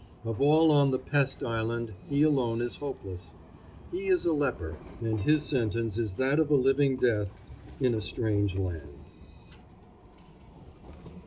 Of all on the Pest Island he alone is hopeless. He is a leper, and his sentence is that of a living death in a strange land.